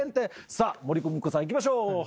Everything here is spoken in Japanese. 「さあ森公美子さんいきましょうはい」